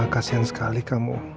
kasian sekali kamu